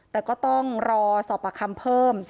แต่ก็ต้องรอสอบปากคำเพิ่ม